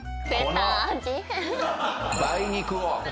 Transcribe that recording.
梅肉を。